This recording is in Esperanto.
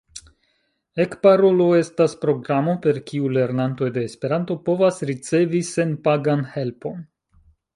Ekparolu estas programo, per kiu lernantoj de Esperanto povas ricevi senpagan helpon.